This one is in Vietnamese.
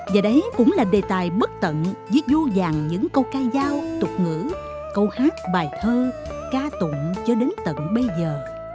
và đấy cũng là đề tài bất tận với vô dàng những câu ca giao tục ngữ câu hát bài thơ ca tụng cho đến tận bây giờ